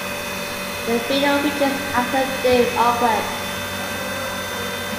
The video features actor David Arquette.